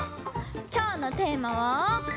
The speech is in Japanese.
きょうのテーマは「手」！